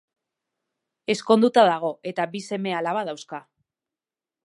Ezkonduta dago eta bi seme-alaba dauzka.